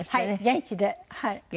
元気で。